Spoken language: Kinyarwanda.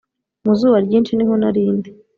mu zuba ryinshi niho narindi